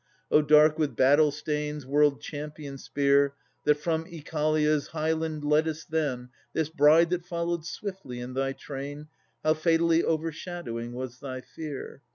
O dark with battle stains, world champion spear, That from Oechalia's highland leddest then This bride that followed swiftly in thy train, How fatally overshadowing was thy fear!